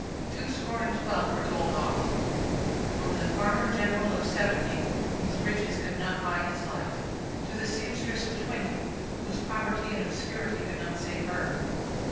Two score and twelve were told off. From the farmer general of seventy, whose riches could not buy his life, to the seamstress of twenty, whose poverty and obscurity could not save her.